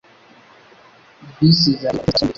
Bisi zigenda hagati ya sitasiyo nindege.